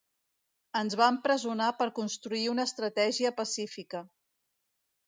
Ens van empresonar per construir una estratègia pacífica.